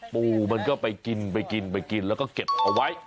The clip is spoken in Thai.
ปูมันก็ไปกินไปกินไปกินแล้วก็เก็บเอาไว้